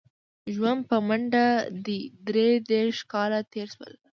ژوند په منډه دی درې دېرش کاله تېر شول.